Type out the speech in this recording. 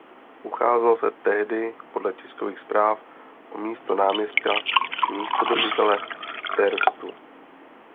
Ucházel se tehdy podle tiskových zpráv o místo náměstka místodržitele v Terstu.